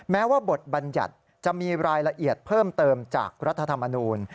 แม้ว่าบทบัญญัติจะมีรายละเอียดเพิ่มเติมจากรัฐธรรมนูล